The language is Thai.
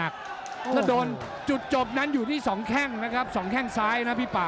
ถ้าโดนจุดจบนั้นอยู่ที่๒แข้งนะครับ๒แข้งซ้ายนะพี่ป่า